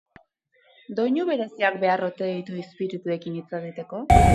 Doinu bereziak behar ote ditu izpirituekin hitz egiteko?